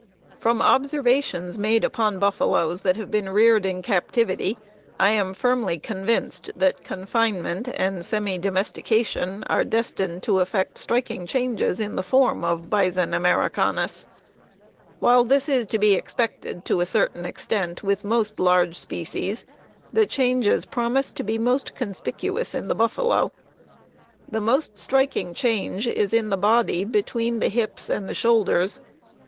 From observations made upon buffaloes that have been reared in captivity, I am firmly convinced that confinement and semi domestication are destined to effect striking changes in the form of Bison americanus. While this is to be expected to a certain extent with most large species, the changes promise to be most conspicuous in the buffalo. The most striking change is in the body between the hips and the shoulders.